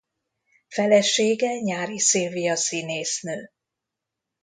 Felesége Nyári Szilvia színésznő.